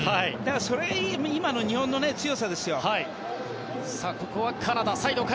それが今の日本の強さですよ。